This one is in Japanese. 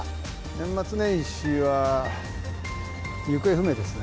年末年始は、行方不明ですね。